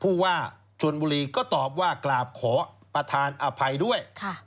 ผู้ว่าชนบุรีก็ตอบว่ากราบขอประธานอภัยด้วย